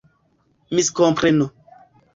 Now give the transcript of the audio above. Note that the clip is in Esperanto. miskompreno